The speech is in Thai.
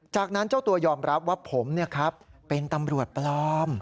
จากนั้นเจ้าตัวยอมรับว่าผมเป็นตำรวจปลอม